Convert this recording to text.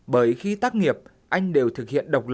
bởi khi tác nghiệp anh đều thực hiện đơn giản